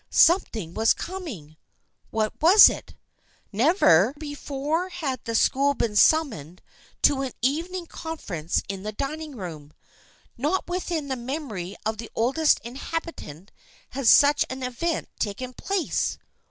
Something was coming. What was it? Never before had the school been summoned to an even ing conference in the dining room. Not within the memory of the oldest inhabitant had such an event taken place.